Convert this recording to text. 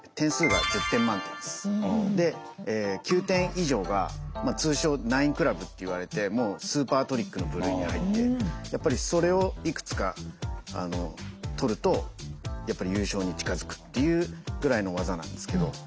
９点以上が通称ナインクラブって言われてスーパートリックの部類に入ってやっぱりそれをいくつか取るとやっぱり優勝に近づくっていうぐらいの技なんですけど。